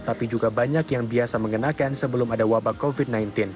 tapi juga banyak yang biasa mengenakan sebelum ada wabah covid sembilan belas